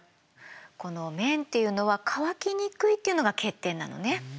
この綿っていうのは乾きにくいっていうのが欠点なのね。